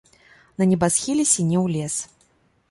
На небасхіле сінеў лес.